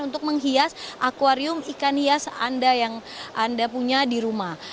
untuk menghias akwarium ikan hias anda yang anda punya di rumah